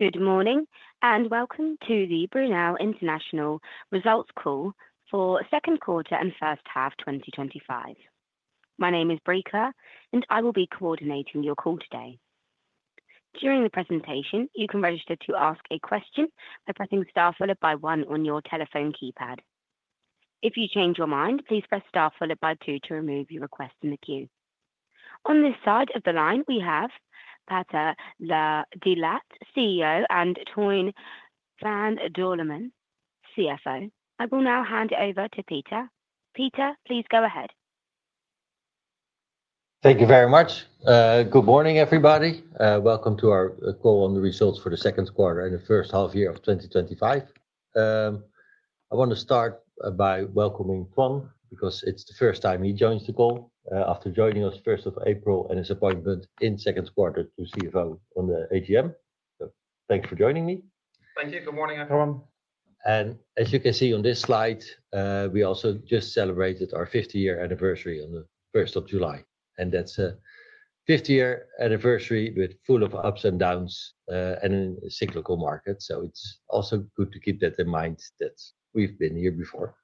Good morning and welcome to the Brunel International Results Call for Second Quarter and First Half 2025. My name is Breaker, and I will be coordinating your call today. During the presentation, you can register to ask a question by pressing star followed by one on your telephone keypad. If you change your mind, please press star followed by two to remove your request from the queue. On this side of the line, we have Peter de Laat, CEO, and Toine van Doremalen, CFO. I will now hand over to Peter. Peter, please go ahead. Thank you very much. Good morning, everybody. Welcome to our call on the results for the second quarter and the first-half year of 2025. I want to start by welcoming Toine because it's the first time he joins the call after joining us 1st of April and his appointment in the second quarter to CFO on the AGM. Thanks for joining me. Thank you. Good morning, everyone. As you can see on this slide, we also just celebrated our 50-year anniversary on 1st of July. That's a 50-year anniversary full of ups and downs in a cyclical market. It's also good to keep that in mind that we've been here before.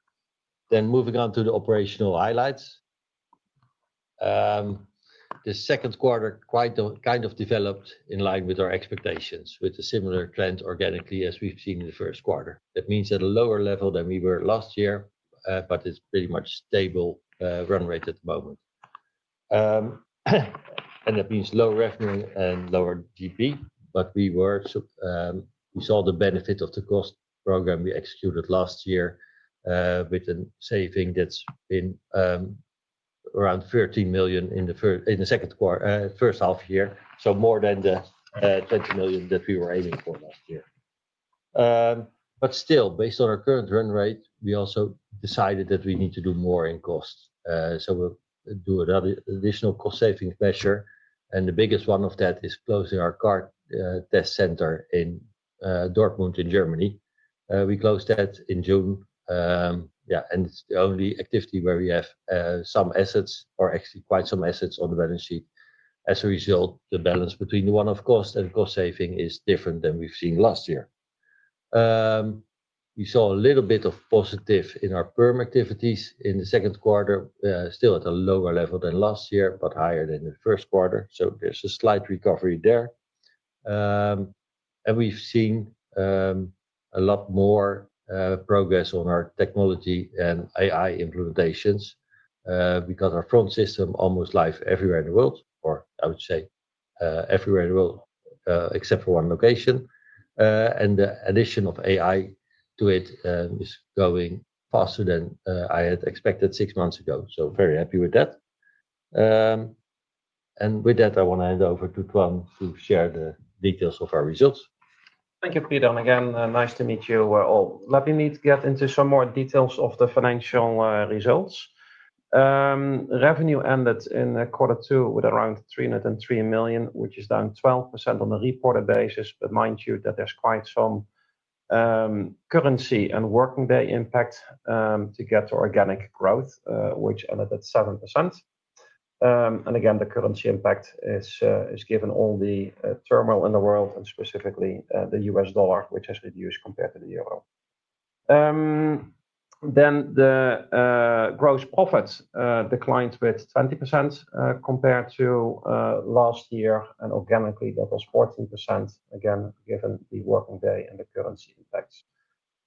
Moving on to the operational highlights, the second quarter developed in line with our expectations, with a similar trend organically as we've seen in the first quarter. That means at a lower level than we were last year, but it's pretty much a stable run rate at the moment. That means low revenue and lower GP. We saw the benefit of the cost program we executed last year with a saving that's been around 13 million in the second quarter, first half year. More than the 20 million that we were aiming for last year. Still, based on our current run rate, we also decided that we need to do more in cost. We'll do an additional cost-saving measure. The biggest one of that is closing our car test centre in Dortmund in Germany. We closed that in June. It's the only activity where we have some assets or actually quite some assets on the balance sheet. As a result, the balance between the one-off cost and cost saving is different than we've seen last year. We saw a little bit of positive in our permit activities in the second quarter, still at a lower level than last year, but higher than the first quarter. There's a slight recovery there. We've seen a lot more progress on our technology and AI implementations. We got our front system almost live everywhere in the world, or I would say everywhere in the world except for one location. The addition of AI to it is going faster than I had expected six months ago. Very happy with that. With that, I want to hand over to Toine to share the details of our results. Thank you, Peter. Again, nice to meet you all. Let me get into some more details of the financial results. Revenue ended in quarter two with around 303 million, which is down 12% on the reported basis. Mind you, there's quite some currency and working day impact to get to organic growth, which ended at 7%. The currency impact is given all the turmoil in the world and specifically the U.S. dollar, which has reduced compared to the euro. The gross profits declined with 20% compared to last year, and organically, that was 14%, given the working day and the currency impacts.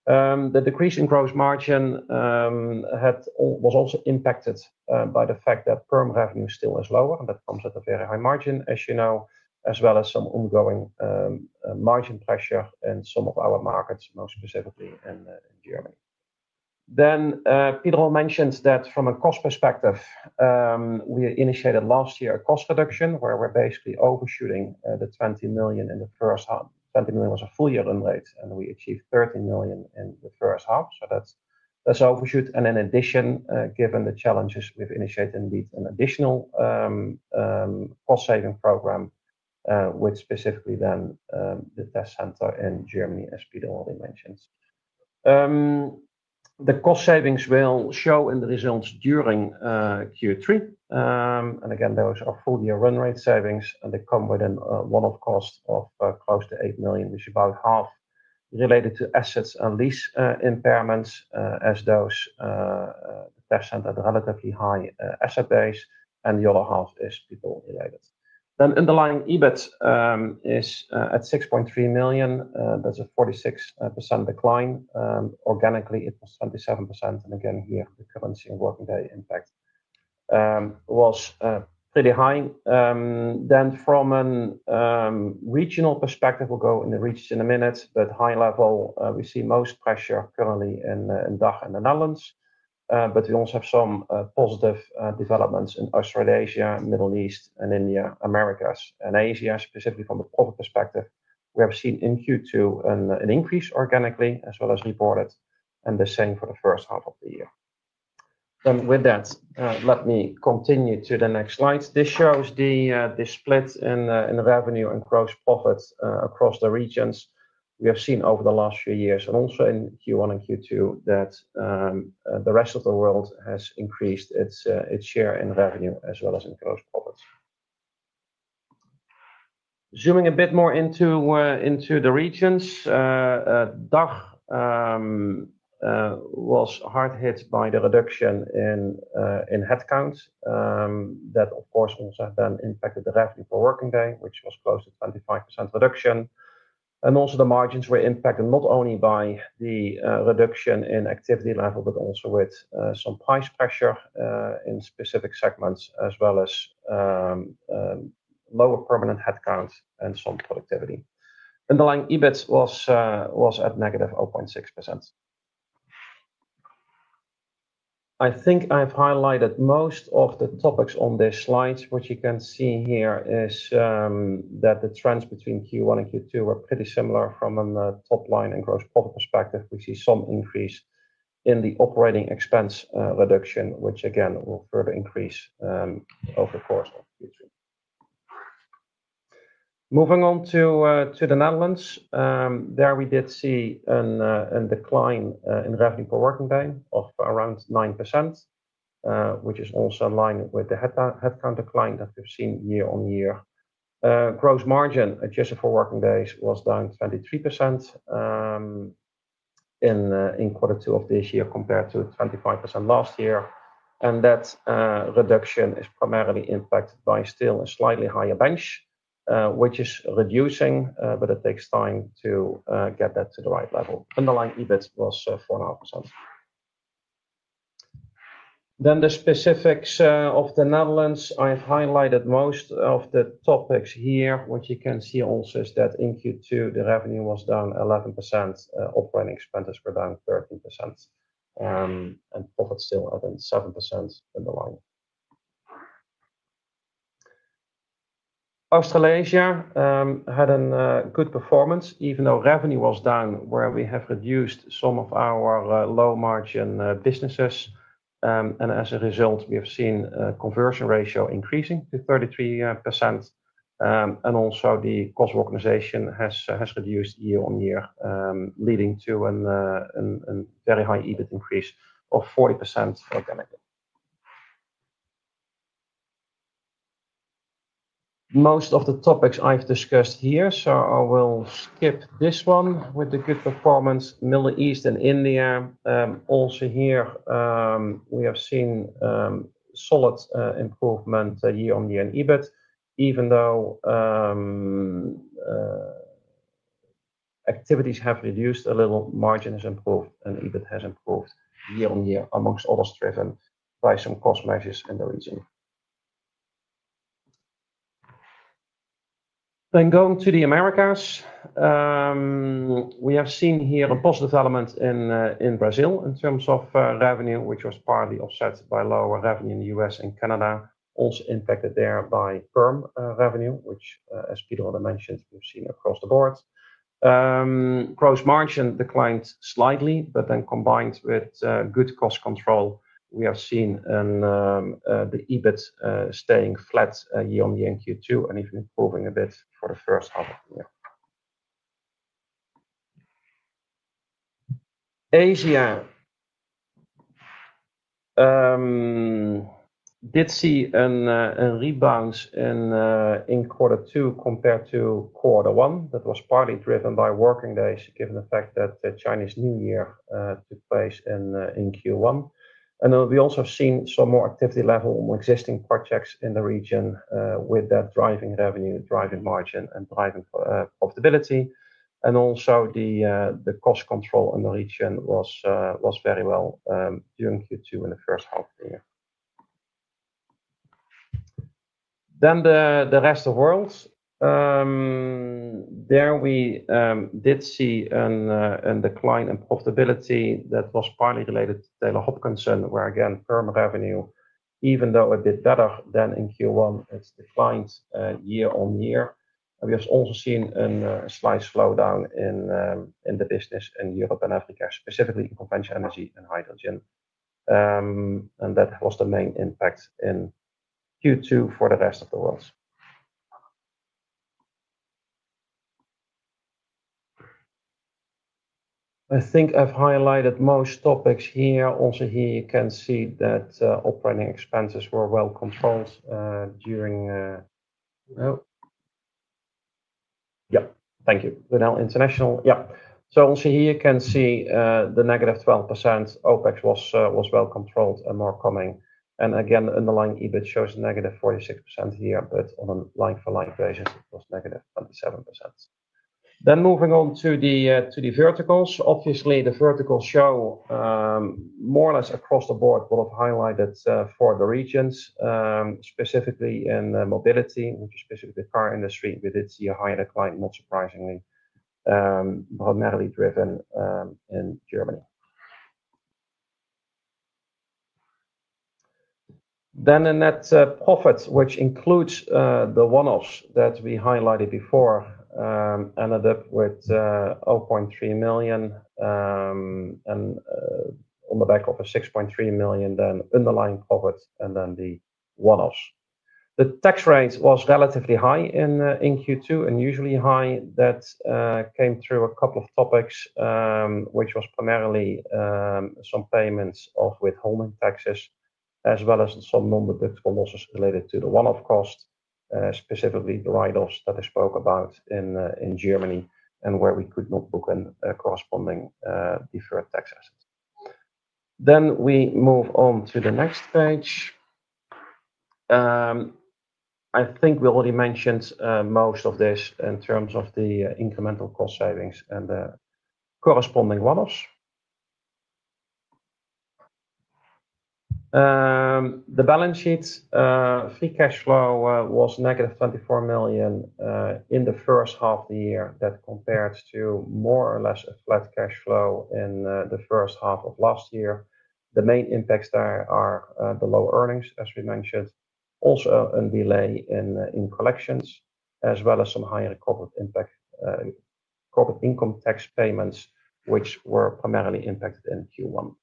The decrease in gross margin was also impacted by the fact that permit revenue still is lower, and that comes at a very high margin, as you know, as well as some ongoing margin pressure in some of our markets, most specifically in Germany. Peter mentions that from a cost perspective, we initiated last year a cost reduction where we're basically overshooting the 20 million in the first half. 20 million was a full year run rate, and we achieved 30 million in the first half. That's overshoot. In addition, given the challenges, we've initiated an additional cost-saving program with specifically the test centre in Germany, as Peter already mentioned. The cost savings will show in the results during Q3. Those are full year run rate savings, and they come within one-off cost of close to 8 million. It's about half related to assets and lease impairments, as those test centres have a relatively high asset base, and the other half is people related. Underlying EBIT is at 6.3 million. That's a 46% decline. Organically, it was 27%. Here the currency and working day impact was pretty high. From a regional perspective, we'll go in the regions in a minute, but high level, we see most pressure currently in DACH and the Netherlands. We also have some positive developments in Australasia, Middle East, and India, Americas and Asia, specifically from a profit perspective. We have seen in Q2 an increase organically, as well as reported, and the same for the first half of the year. With that, let me continue to the next slide. This shows the split in revenue and gross profits across the regions. We have seen over the last few years, and also in Q1 and Q2, that the rest of the world has increased its share in revenue as well as in gross profits. Zooming a bit more into the regions, DACH was hard hit by the reduction in headcount. That, of course, also then impacted the revenue per working day, which was close to 25% reduction. Also, the margins were impacted not only by the reduction in activity level, but also with some price pressure in specific segments, as well as lower permanent headcount and some productivity. Underlying EBIT was at -0.6%. I think I've highlighted most of the topics on this slide. What you can see here is that the trends between Q1 and Q2 were pretty similar from a top line and gross profit perspective. We see some increase in the operating expense reduction, which again will further increase over the course. Moving on to the Netherlands, there we did see a decline in revenue per working day of around 9%, which is also in line with the headcount decline that we've seen year-on-year. Gross margin adjusted for working days was down 23% in quarter two of this year compared to 25% last year. That reduction is primarily impacted by still a slightly higher bench, which is reducing, but it takes time to get that to the right level. Underlying EBIT was 4.5%. Then the specifics of the Netherlands, I've highlighted most of the topics here. What you can see also is that in Q2, the revenue was down 11%. Operating expenses were down 30%. Profits still out in 7% in the line. Australasia had a good performance, even though revenue was down where we have reduced some of our low margin businesses. As a result, we have seen a conversion ratio increasing to 33%. Also, the cost of organization has reduced year-on-year, leading to a very high EBIT increase of 40% organically. Most of the topics I've discussed here, so I will skip this one with the good performance. Middle East and India, also here, we have seen solid improvement year-on-year in EBIT, even though activities have reduced a little, margin has improved, and EBIT has improved year-on-year amongst others driven by some cost measures in the region. Going to the Americas, we have seen here a positive element in Brazil in terms of revenue, which was partly offset by lower revenue in the U.S. and Canada, also impacted there by firm revenue, which, as Peter already mentioned, we've seen across the board. Gross margin declined slightly, but then combined with good cost control, we have seen the EBIT staying flat year-on-year in Q2 and even improving a bit for the first half of the year. Asia did see a rebound in quarter two compared to quarter one. That was partly driven by working days, given the fact that the Chinese New Year took place in Q1. We also have seen some more activity level on existing projects in the region with that driving revenue, driving margin, and driving profitability. Also, the cost control in the region was very well during Q2 in the first half of the year. The rest of the world did see a decline in profitability that was partly related to Taylor Hopkinson, where again, firm revenue, even though a bit better than in Q1, declined year-on-year. We have also seen a slight slowdown in the business in Europe and Africa, specifically conventional energy and hydrogen. That was the main impact in Q2 for the rest of the world. I think I've highlighted most topics here. Also, you can see that operating expenses were well controlled. Thank you, Brunel International. You can see the -12%. OpEx was well controlled and more coming. Again, underlying EBIT shows a -46% here, but on a line-for-line basis, it was -27%. Moving on to the verticals, obviously, the verticals show more or less across the board what I've highlighted for the regions, specifically in mobility, which is specifically the car industry. We did see a higher decline, not surprisingly, primarily driven in Germany. In net profits, which includes the one-offs that we highlighted before, ended up with 0.3 million, and on the back of a 6.3 million, then underlying profits and then the one-offs. The tax rate was relatively high in Q2 and usually high. That came through a couple of topics, which was primarily some payments of withholding taxes, as well as some non-deductible losses related to the one-off cost, specifically the write-offs that I spoke about in Germany and where we could not book in corresponding deferred tax assets. We move on to the next page. I think we already mentioned most of this in terms of the incremental cost savings and the corresponding one-offs. The balance sheet, free cash flow was -24 million in the first half of the year. That compares to more or less a flat cash flow in the first half of last year. The main impacts there are the low earnings, as we mentioned, also a delay in collections, as well as some higher corporate income tax payments, which were primarily impacted in Q1.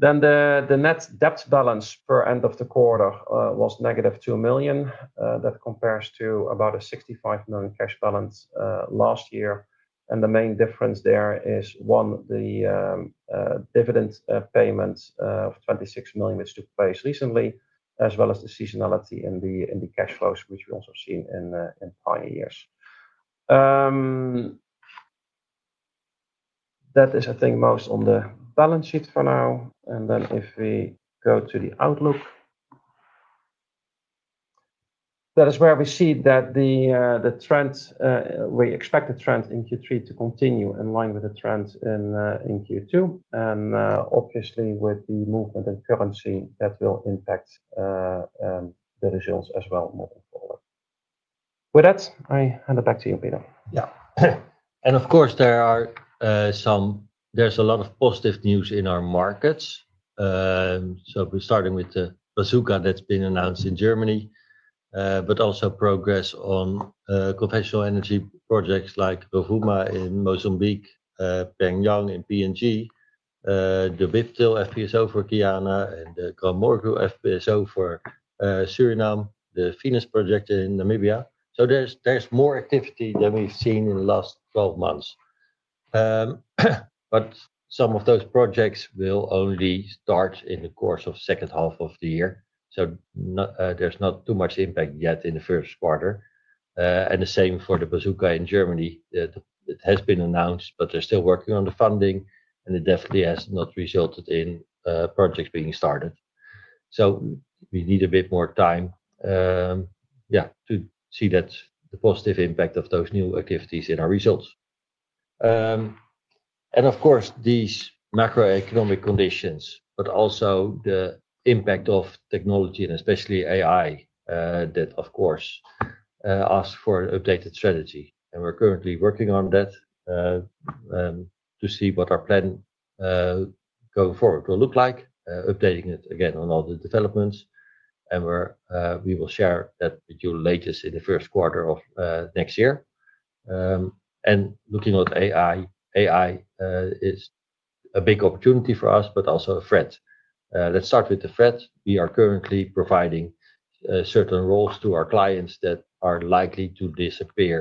The net debt balance per end of the quarter was -2 million. That compares to about a 65 million cash balance last year. The main difference there is, one, the dividend payment of 26 million, which took place recently, as well as the seasonality in the cash flows, which we also have seen in prior years. That is, I think, most on the balance sheet for now. If we go to the outlook, that is where we see that the trend, we expect the trend in Q3 to continue in line with the trend in Q2. Obviously, with the movement in currency, that will impact the results as well. With that, I hand it back to you, Peter. Yeah. Of course, there is a lot of positive news in our markets. We're starting with the Bazooka that's been announced in Germany, but also progress on conventional energy projects like Rovuma in Mozambique, P'nyang in PNG, the Whiptail FPSO for Guyana, and GranMorgu FPSO for Suriname, the Venus project in Namibia. There is more activity than we've seen in the last 12 months. Some of those projects will only start in the course of the second half of the year, so there's not too much impact yet in the first quarter. The same for the Bazooka in Germany. It has been announced, but they're still working on the funding, and it definitely has not resulted in projects being started. We need a bit more time to see that positive impact of those new activities in our results. Of course, these macroeconomic conditions, but also the impact of technology and especially AI, that of course asks for an updated strategy. We're currently working on that to see what our plan going forward will look like, updating it again on all the developments. We will share that with you latest in the first quarter of next year. Looking at AI, AI is a big opportunity for us, but also a threat. Let's start with the threat. We are currently providing certain roles to our clients that are likely to disappear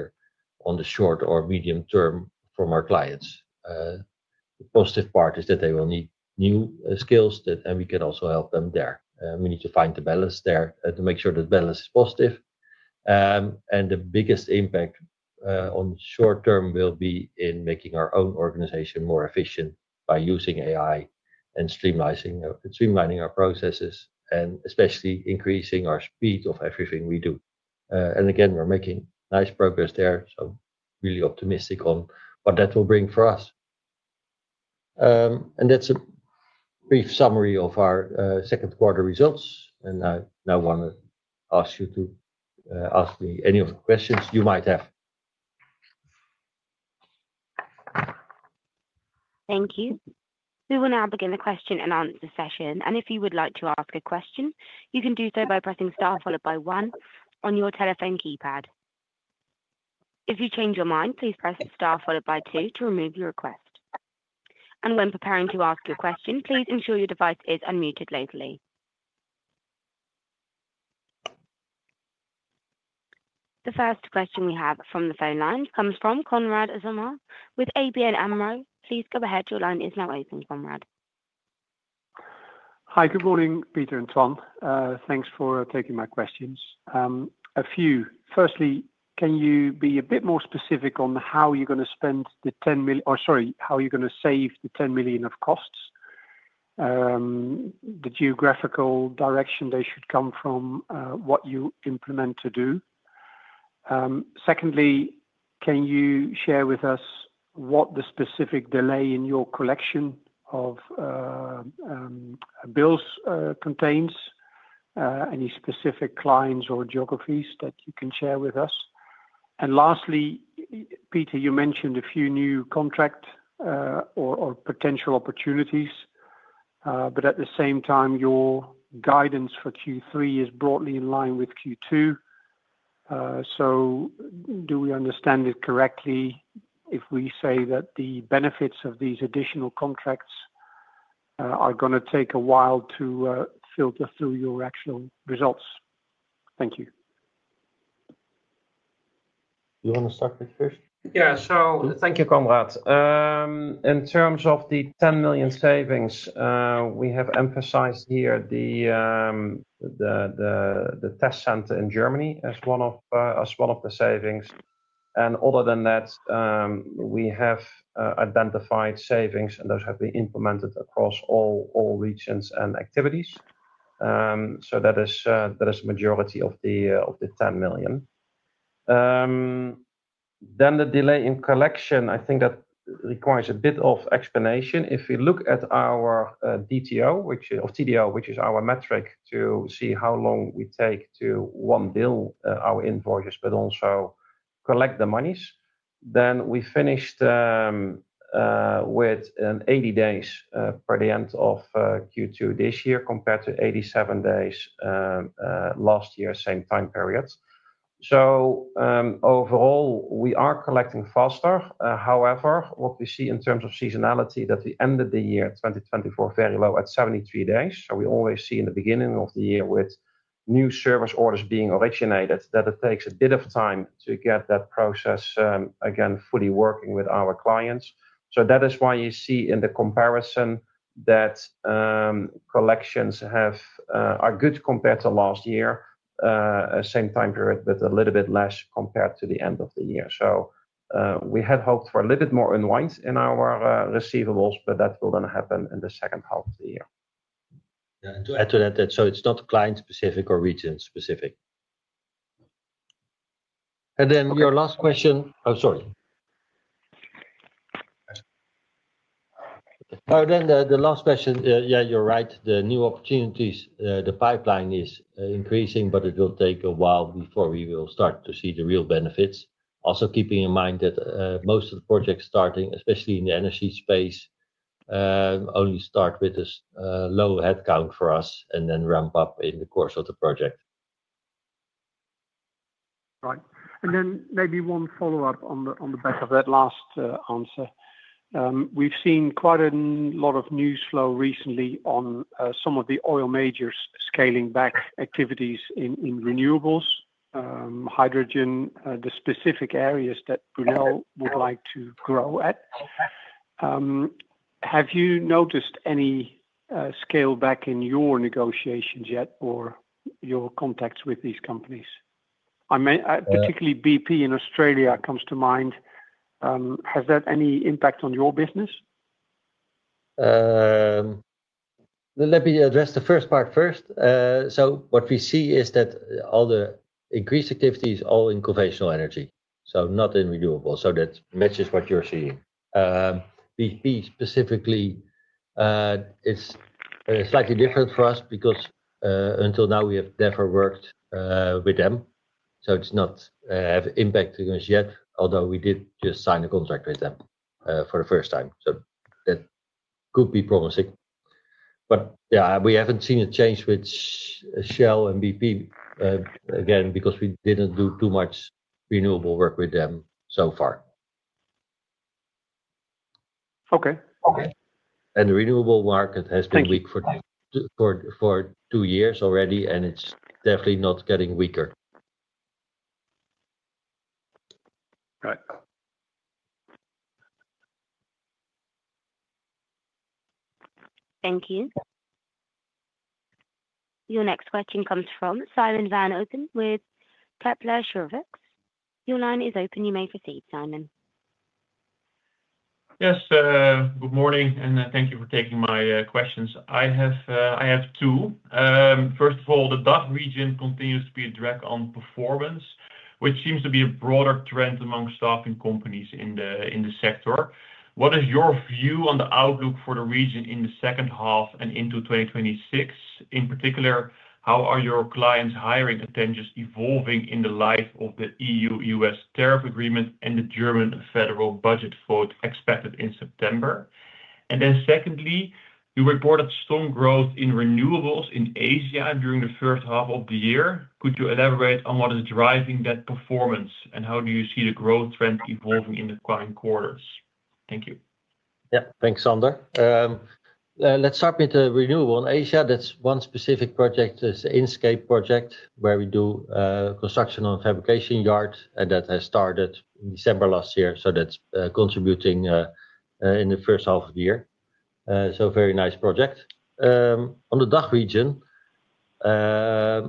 in the short or medium term from our clients. The positive part is that they will need new skills, and we can also help them there. We need to find the balance there to make sure that balance is positive. The biggest impact in the short term will be in making our own organization more efficient by using AI and streamlining our processes, and especially increasing our speed of everything we do. We're making nice progress there, so really optimistic on what that will bring for us. That's a brief summary of our second quarter results. I now want to ask you to ask me any of the questions you might have. Thank you. We will now begin the Q&A session. If you would like to ask a question, you can do so by pressing star followed by one on your telephone keypad. If you change your mind, please press star followed by two to remove your request. When preparing to ask your question, please ensure your device is unmuted locally. The first question we have from the phone line comes from Konrad Zomer with ABN Amro. Please go ahead. Your line is now open, Konrad. Hi. Good morning, Peter and Toine. Thanks for taking my questions. A few. Firstly, can you be a bit more specific on how you're going to spend the 10 million, or sorry, how you're going to save the 10 million of costs, the geographical direction they should come from, what you implement to do? Secondly, can you share with us what the specific delay in your collection of bills contains? Any specific clients or geographies that you can share with us? Lastly, Peter, you mentioned a few new contracts or potential opportunities, but at the same time, your guidance for Q3 is broadly in line with Q2. Do we understand it correctly if we say that the benefits of these additional contracts are going to take a while to filter through your actual results? Thank you. You want to start with first? Thank you, Konrad. In terms of the 10 million savings, we have emphasized here the test centre in Germany as one of the savings. Other than that, we have identified savings, and those have been implemented across all regions and activities. That is a majority of the EUR 10 million. The delay in collection, I think that requires a bit of explanation. If you look at our TDO, which is our metric to see how long we take to, one, bill our invoices, but also collect the monies, we finished with 80 days per the end of Q2 this year compared to 87 days last year, same time period. Overall, we are collecting faster. However, what we see in terms of seasonality is that we ended the year 2024 very low at 73 days. We always see in the beginning of the year with new service orders being originated that it takes a bit of time to get that process again fully working with our clients. That is why you see in the comparison that collections are good compared to last year, same time period, but a little bit less compared to the end of the year. We had hoped for a little bit more unwinds in our receivables, but that will then happen in the second half of the year. Yeah. To add to that, it's not client-specific or region-specific. Your last question, I'm sorry. No, the last question, yeah, you're right. The new opportunities, the pipeline is increasing, but it will take a while before we will start to see the real benefits. Also, keeping in mind that most of the projects starting, especially in the energy space, only start with a low headcount for us and then ramp up in the course of the project. Right. Maybe one follow-up on the back of that last answer. We've seen quite a lot of news flow recently on some of the oil majors scaling back activities in renewables, hydrogen, the specific areas that Brunel would like to grow at. Have you noticed any scale back in your negotiations yet or your contacts with these companies? I mean, particularly BP in Australia comes to mind. Has that any impact on your business? Let me address the first part first. What we see is that all the increased activity is all in conventional energy, not in renewables. That matches what you're seeing. BP specifically is slightly different for us because until now we have never worked with them. It's not an impact against yet, although we did just sign a contract with them for the first time. That could be promising. We haven't seen a change with Shell and BP again because we didn't do too much renewable work with them so far. Okay. Okay. The renewable energy market has been weak for two years already, and it's definitely not getting weaker. All right. Thank you. Your next question comes from Simon van Oppen with Kepler Cheuvreux. Your line is open. You may proceed, Simon. Yes. Good morning, and thank you for taking my questions. I have two. First of all, the DACH region continues to be a drag on performance, which seems to be a broader trend among staffing companies in the sector. What is your view on the outlook for the region in the second half and into 2026? In particular, how are your clients' hiring intentions evolving in the light of the EU-U.S. tariff agreement and the German federal budget vote expected in September? Secondly, you reported strong growth in renewables in Asia during the first half of the year. Could you elaborate on what is driving that performance and how do you see the growth trend evolving in the coming quarters? Thank you. Yeah. Thanks, Simon. Let's start with the renewable in Asia. That's one specific project. It's the Inchcape project where we do construction on a fabrication yard, and that has started in December last year. That's contributing in the first half of the year, a very nice project. On the DACH region, I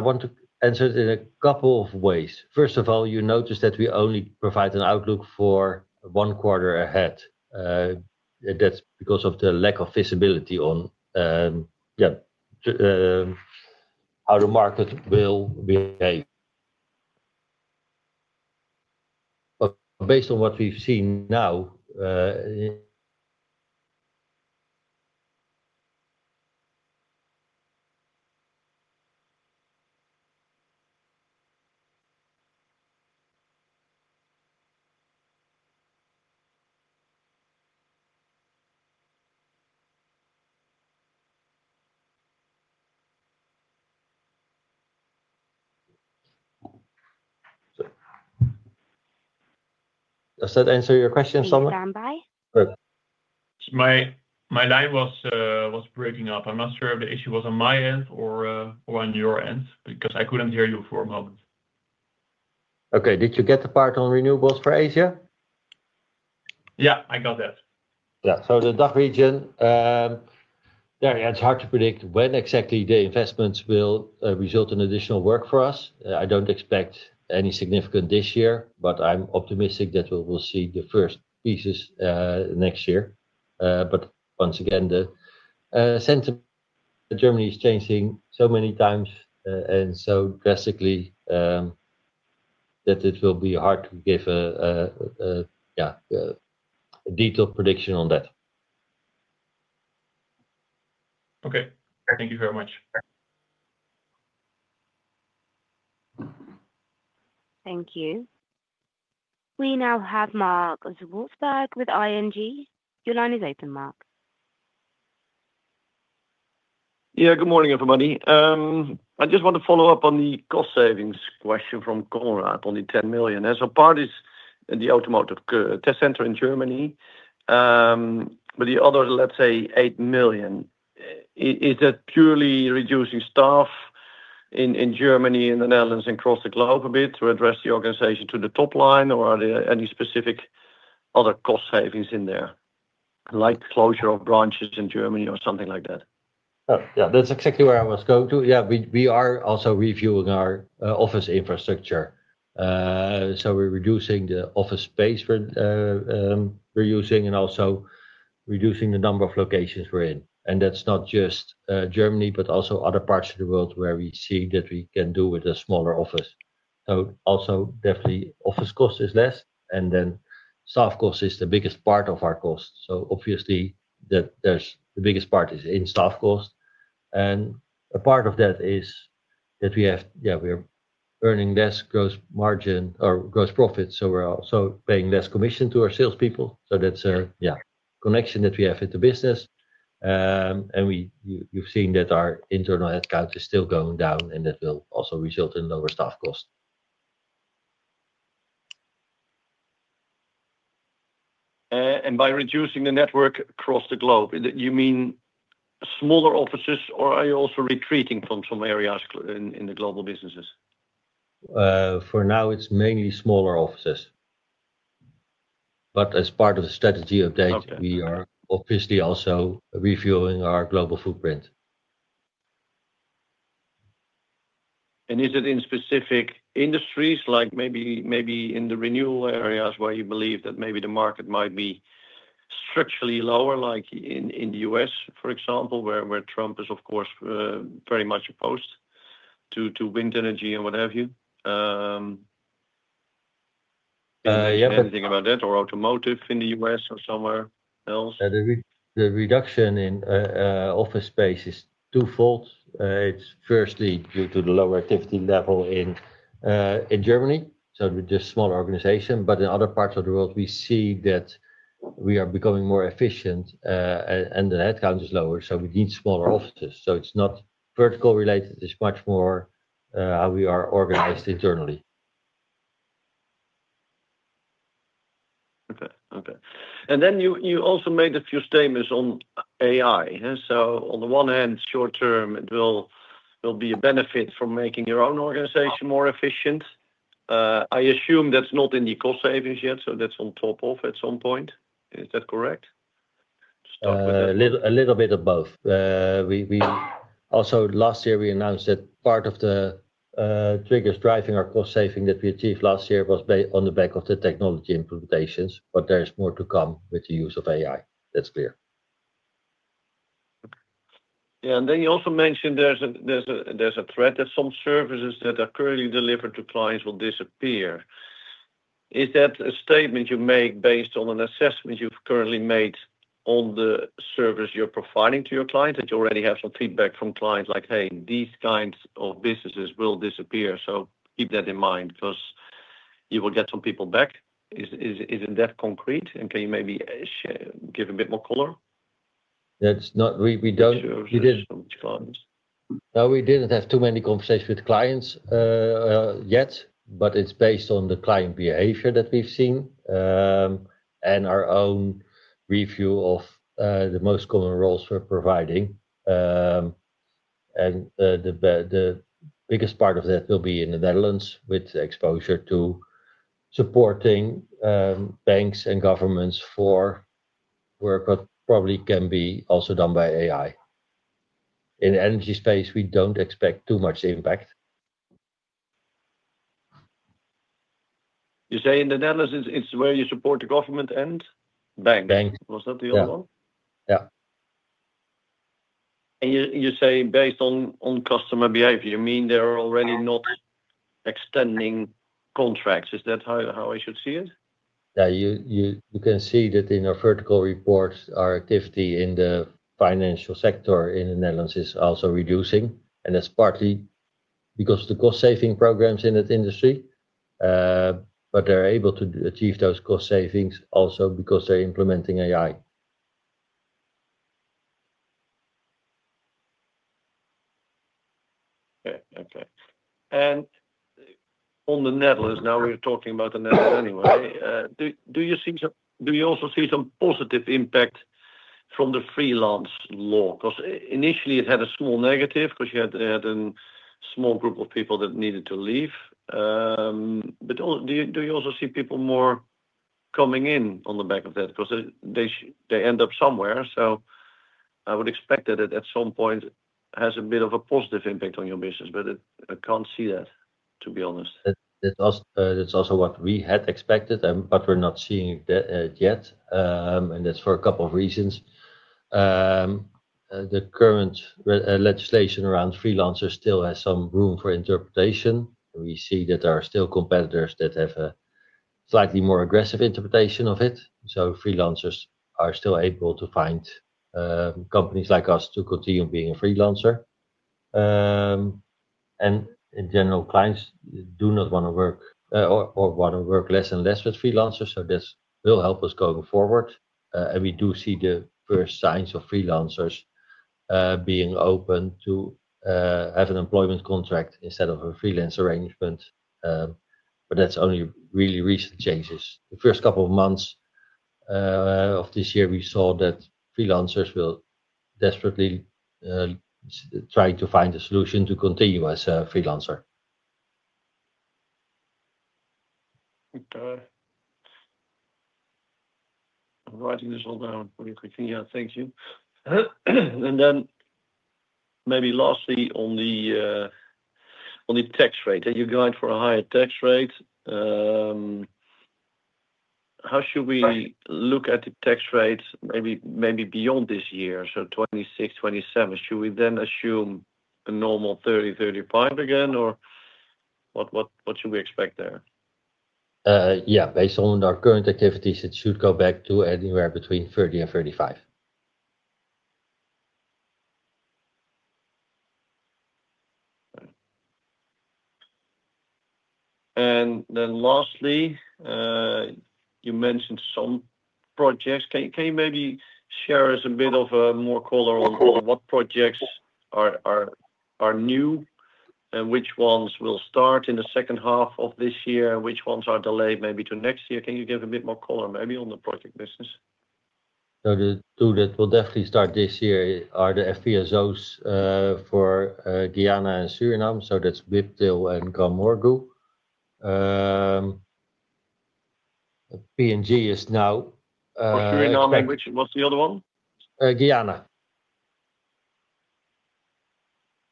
want to answer it in a couple of ways. First of all, you noticed that we only provide an outlook for one quarter ahead. That's because of the lack of visibility on how the market will behave. Based on what we've seen now, does that answer your question, Simon? You're standby. My line was breaking up. I'm not sure if the issue was on my end or on your end because I couldn't hear you for a moment. Okay. Did you get the part on renewables for Asia? Yeah, I got that. Yeah. The DACH region, it's hard to predict when exactly the investments will result in additional work for us. I don't expect any significant this year, but I'm optimistic that we will see the first pieces next year. Once again, the sentiment in Germany is changing so many times and so drastically that it will be hard to give a detailed prediction on that. Okay, thank you very much. Thank you. We now have Marc Zwartsenburg with ING. Your line is open, Marc. Yeah. Good morning, everybody. I just want to follow-up on the cost savings question from Konrad on the 10 million. As a part is in the automotive test centre in Germany, but the other, let's say, 8 million. Is that purely reducing staff in Germany, in the Netherlands, and across the globe a bit to address the organization to the top line, or are there any specific other cost savings in there, like closure of branches in Germany or something like that? Oh, yeah. That's exactly where I was going to. We are also reviewing our office infrastructure. We're reducing the office space we're using and also reducing the number of locations we're in. That's not just Germany, but also other parts of the world where we see that we can do with a smaller office. Also, definitely, office cost is less, and then staff cost is the biggest part of our cost. Obviously, the biggest part is in staff cost. A part of that is that we're earning less gross margin or gross profits, so we're also paying less commission to our salespeople. That's a connection that we have with the business. You've seen that our internal headcount is still going down, and that will also result in lower staff costs. By reducing the network across the globe, do you mean smaller offices, or are you also retreating from some areas in the global businesses? For now, it's mainly smaller offices, but as part of the strategy update, we are obviously also reviewing our global footprint. Is it in specific industries, like maybe in the renewable areas where you believe that maybe the market might be structurally lower, like in the U.S., for example, where Trump is, of course, very much opposed to wind energy and what have you? Yeah. Do you have anything about that or automotive in the U.S. or somewhere else? The reduction in office space is twofold. It's firstly due to the lower activity level in Germany, so we're just a smaller organization. In other parts of the world, we see that we are becoming more efficient, and the headcount is lower, so we need smaller offices. It's not vertical related. It's much more how we are organized internally. Okay. Okay. You also made a few statements on AI. On the one hand, short term, it will be a benefit from making your own organization more efficient. I assume that's not in the cost savings yet. That's on top of at some point. Is that correct? A little bit of both. Last year, we announced that part of the triggers driving our cost-saving that we achieved last year was on the back of the technology implementations, but there's more to come with the use of AI. That's clear. Yeah. You also mentioned there's a threat that some services that are currently delivered to clients will disappear. Is that a statement you make based on an assessment you've currently made on the service you're providing to your client, that you already have some feedback from clients like, "Hey, these kinds of businesses will disappear. So keep that in mind because you will get some people back." Is it that concrete? Can you maybe give a bit more color? That's not. We don't. You didn't have too many conversations with clients yet, but it's based on the client behavior that we've seen and our own review of the most common roles we're providing. The biggest part of that will be in the Netherlands with exposure to supporting banks and governments for work that probably can be also done by AI. In the energy space, we don't expect too much impact. You say in the Netherlands, it's where you support the government and banks? Yeah. Was that the other one? Yeah. You say based on customer behavior, you mean they're already not extending contracts. Is that how I should see it? Yeah. You can see that in our vertical reports, our activity in the financial sector in the Netherlands is also reducing. That's partly because of the cost-saving programs in that industry. They're able to achieve those cost savings also because they're implementing AI integration. Okay. On the Netherlands, now we're talking about the Netherlands anyway, do you see some, do you also see some positive impact from the freelance law? Initially, it had a small negative because you had a small group of people that needed to leave. Do you also see people more coming in on the back of that? They end up somewhere. I would expect that it at some point has a bit of a positive impact on your business, but I can't see that, to be honest. That's also what we had expected, but we're not seeing it yet. That's for a couple of reasons. The current legislation around freelancers still has some room for interpretation. We see that there are still competitors that have a slightly more aggressive interpretation of it. Freelancers are still able to find companies like us to continue being a freelancer. In general, clients do not want to work or want to work less and less with freelancers. This will help us going forward. We do see the first signs of freelancers being open to have an employment contract instead of a freelance arrangement. That's only really recent changes. The first couple of months of this year, we saw that freelancers were desperately trying to find a solution to continue as a freelancer. Okay. I'm writing this all down really quickly. Thank you. Then maybe lastly, on the tax rate, are you going for a higher tax rate? How should we look at the tax rates maybe beyond this year? 2026, 2027, should we then assume a normal 30%, 35% again, or what should we expect there? Yeah, based on our current activities, it should go back to anywhere between 30% and 35%. Lastly, you mentioned some projects. Can you maybe share us a bit of a more color on what projects are new and which ones will start in the second half of this year and which ones are delayed maybe to next year? Can you give a bit more color maybe on the project business? The two that will definitely start this year are the FPSOs for Guyana and Suriname. That's Whiptail and GranMorgu. PNG is now. What's the other one? Guyana.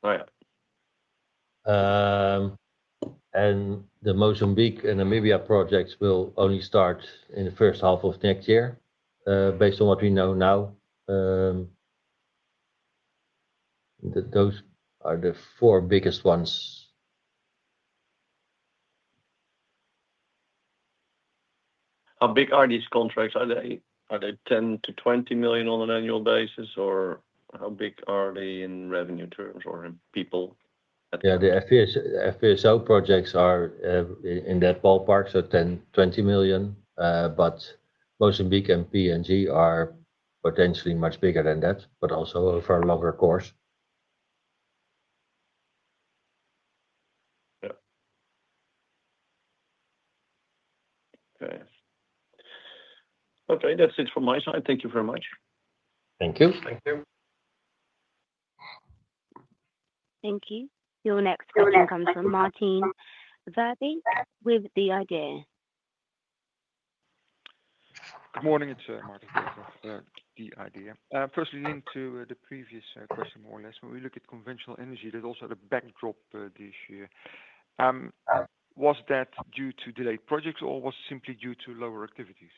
Oh, yeah. The Mozambique and Namibia projects will only start in the first half of next year. Based on what we know now, those are the four biggest ones. How big are these contracts? Are they 10 million-20 million on an annual basis, or how big are they in revenue terms or in people? Yeah. The FPSO projects are in that ballpark, so 10 million, 20 million. Mozambique and PNG are potentially much bigger than that, also over a longer course. Okay. That's it from my side. Thank you very much. Thank you. Thank you. Thank you. Your next question comes from Maarten Verbeek with the IDEA! Good morning. It's Maarten Verbeek of the IDEA! Firstly, linked to the previous question, more or less, when we look at conventional energy, there's also the backdrop this year. Was that due to delayed projects or was it simply due to lower activities?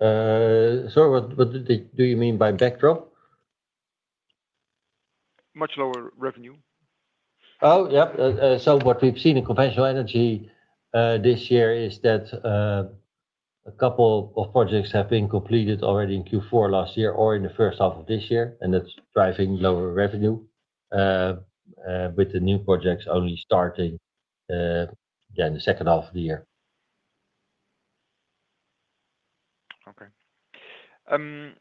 Sorry, what do you mean by backdrop? Much lower revenue? Oh, yeah. What we've seen in conventional energy this year is that a couple of projects have been completed already in Q4 last year or in the first half of this year, and that's driving lower revenue, with the new projects only starting in the second half of the year. Okay.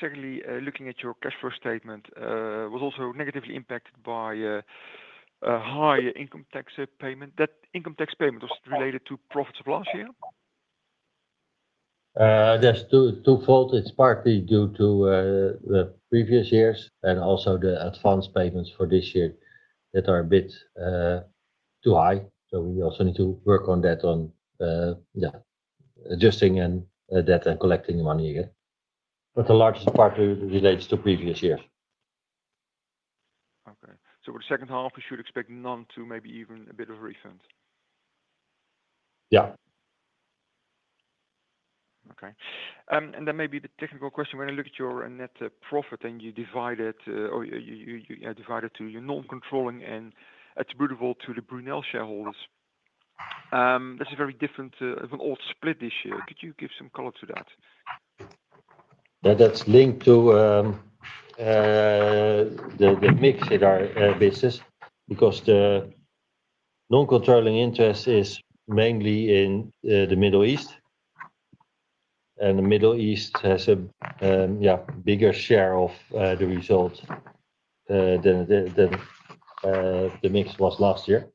Secondly, looking at your cash flow statement, it was also negatively impacted by a higher income tax payment. That income tax payment, was it related to profits of last year? That's twofold. It's partly due to the previous years and also the advance payments for this year that are a bit too high. We also need to work on that, on adjusting that and collecting the money again. The largest part relates to previous years. Okay. For the second half, you should expect none to maybe even a bit of a refund? Yeah. Okay. Maybe the technical question, when I look at your net profit and you divide it or you divide it to your non-controlling and attributable to the Brunel shareholders, that's a very different and odd split this year. Could you give some color to that? That's linked to the mix in our business because the non-controlling interest is mainly in the Middle East. The Middle East has a bigger share of the result than the mix was last year.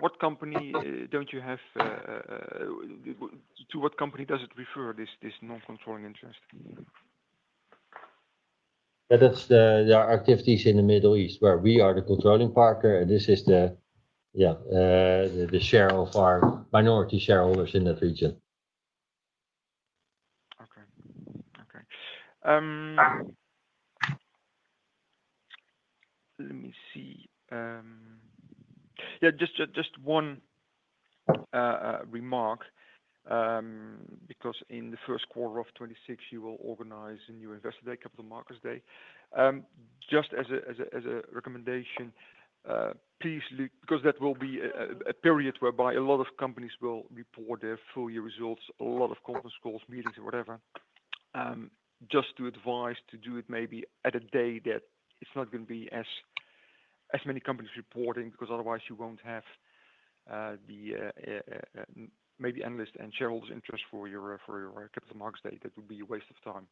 What company does it refer to, this non-controlling interest? That's the activities in the Middle East where we are the controlling partner, and this is the share of our minority shareholders in that region. Okay. Let me see. Yeah, just one remark because in the first quarter of 2026, you will organize in your Investor Day, Capital Markets Day. Just as a recommendation, please look because that will be a period whereby a lot of companies will report their full-year results, a lot of conference calls, meetings, and whatever. Just to advise to do it maybe at a day that it's not going to be as many companies reporting because otherwise, you won't have maybe analysts and shareholders' interest for your Capital Markets Day. That would be a waste of time.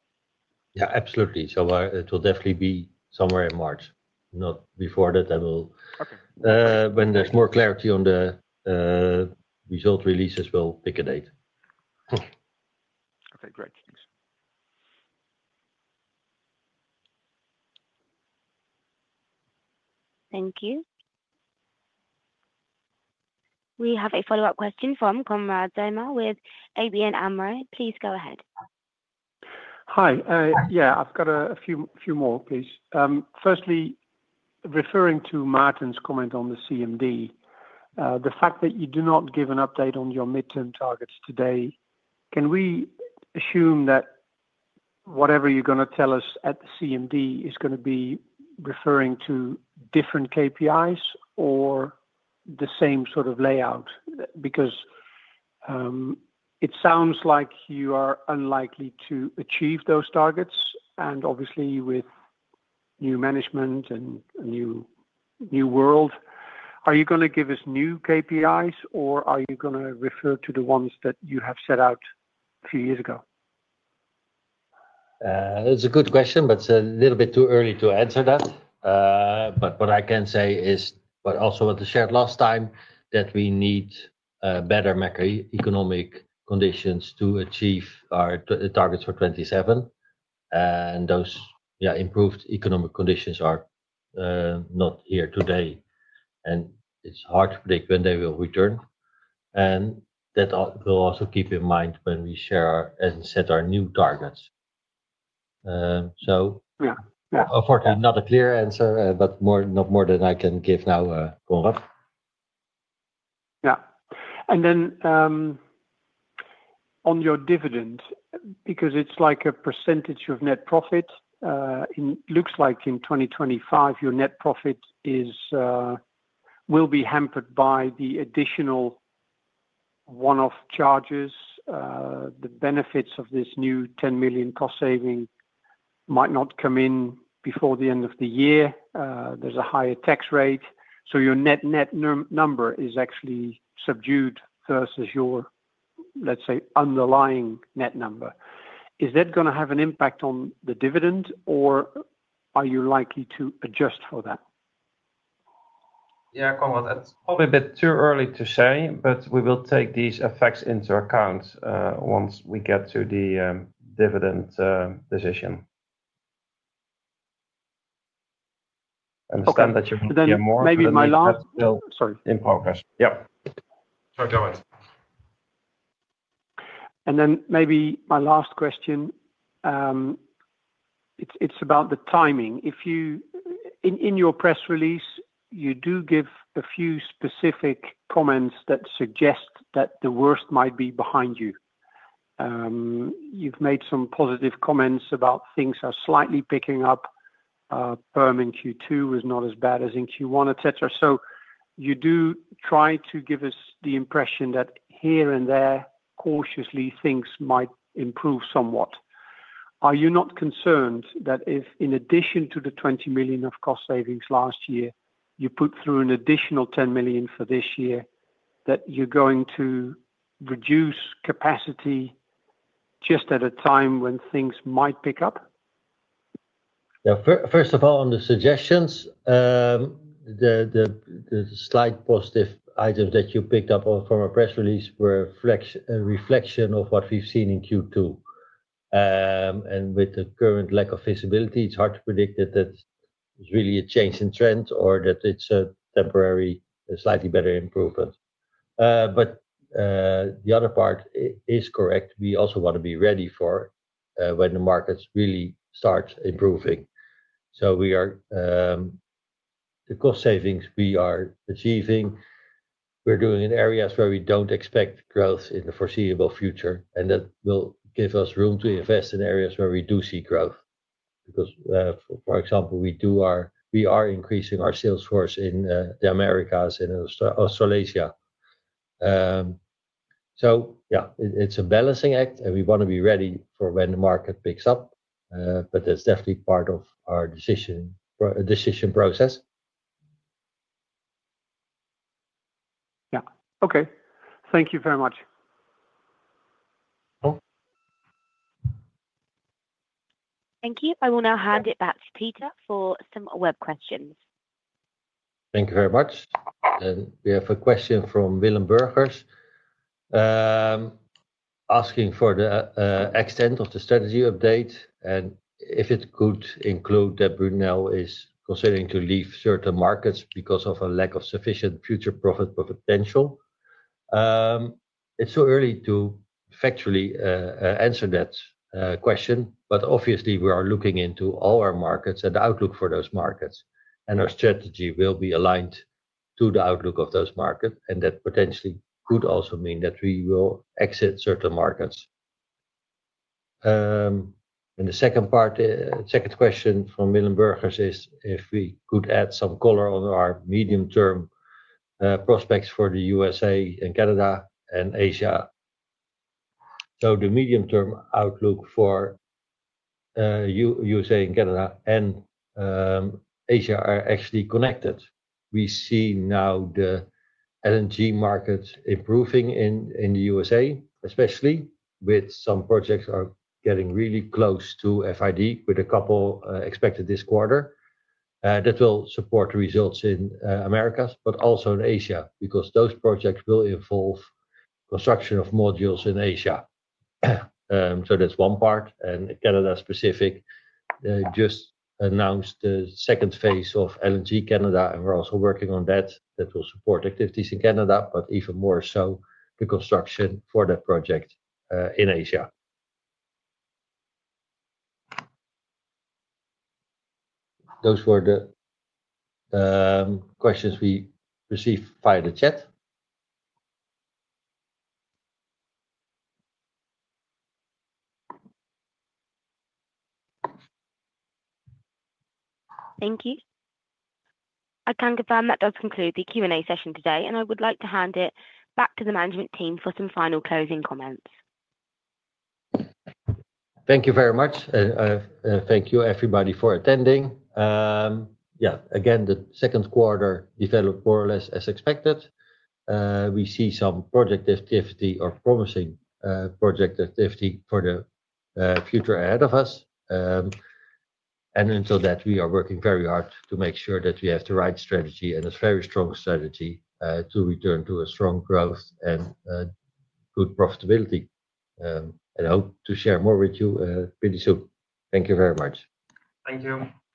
It will definitely be somewhere in March, not before that. When there's more clarity on the result releases, we'll pick a date. Okay. Great. Thanks. Thank you. We have a follow-up question from Konrad Zomer with ABN AMRO. Please go ahead. Hi. Yeah, I've got a few more, please. Firstly, referring to Maarten's comment on the CMD, the fact that you do not give an update on your mid-term targets today, can we assume that whatever you're going to tell us at the CMD is going to be referring to different KPIs or the same sort of layout? It sounds like you are unlikely to achieve those targets. Obviously, with new management and a new world, are you going to give us new KPIs, or are you going to refer to the ones that you have set out a few years ago? That's a good question, but it's a little bit too early to answer that. What I can say is, as I shared last time, we need better macroeconomic conditions to achieve our targets for 2027. Those improved economic conditions are not here today, and it's hard to predict when they will return. That will also be kept in mind when we share and set our new targets. Unfortunately, not a clear answer, but not more than I can give now, Konrad. Yeah, on your dividends, because it's like a percentage of net profit, it looks like in 2025 your net profit will be hampered by the additional one-off charges. The benefits of this new 10 million cost-saving might not come in before the end of the year. There's a higher tax rate, so your net-net number is actually subdued versus your, let's say, underlying net number. Is that going to have an impact on the dividend, or are you likely to adjust for that? Yeah, Konrad, that's probably a bit too early to say, but we will take these effects into account once we get to the dividend decision. Maybe my last. Sorry. In progress. Go ahead. Maybe my last question, it's about the timing. If you, in your press release, you do give a few specific comments that suggest that the worst might be behind you. You've made some positive comments about things are slightly picking up. Perm in Q2 is not as bad as in Q1, etc. You do try to give us the impression that here and there, cautiously, things might improve somewhat. Are you not concerned that if, in addition to the 20 million of cost savings last year, you put through an additional 10 million for this year, that you're going to reduce capacity just at a time when things might pick up? First of all, on the suggestions, the slight positive items that you picked up from our press release were a reflection of what we've seen in Q2. With the current lack of visibility, it's hard to predict that that's really a change in trend or that it's a temporary, slightly better improvement. The other part is correct. We also want to be ready for when the markets really start improving. We are achieving cost savings in areas where we don't expect growth in the foreseeable future. That will give us room to invest in areas where we do see growth because, for example, we are increasing our sales force in the Americas and Australasia. It's a balancing act, and we want to be ready for when the market picks up. That's definitely part of our decision process. Thank you very much. Thank you. I want to hand it back to Peter for some web questions. Thank you very much. We have a question from Willem Burgers asking for the extent of the strategy update and if it could include that Brunel is considering leaving certain markets because of a lack of sufficient future profit potential. It's too early to factually answer that question, but obviously, we are looking into all our markets and the outlook for those markets. Our strategy will be aligned to the outlook of those markets. That potentially could also mean that we will exit certain markets. The second question from Willem Burgers is if we could add some color on our medium-term prospects for the U.S.A. and Canada and Asia. The medium-term outlook for the U.S.A. and Canada and Asia are actually connected. We see now the LNG markets improving in the U.S.A., especially with some projects getting really close to FID, with a couple expected this quarter. That will support the results in the Americas, but also in Asia because those projects will involve construction of modules in Asia. That's one part. Canada-specific, they just announced the second phase of LNG Canada, and we're also working on that. That will support activities in Canada, but even more so, the construction for that project in Asia. Those were the questions we received via the chat. Thank you. I can confirm that does conclude the Q&A session today, and I would like to hand it back to the management team for some final closing comments. Thank you very much. Thank you, everybody, for attending. The second quarter developed more or less as expected. We see some project activity or promising project activity for the future ahead of us. Until that, we are working very hard to make sure that we have the right strategy and a very strong strategy to return to strong growth and good profitability. I hope to share more with you pretty soon. Thank you very much. Thank you.